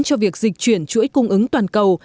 cho việc dịch chuyển chuỗi cung ứng toàn cầu